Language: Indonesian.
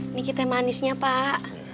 ini kitai manisnya pak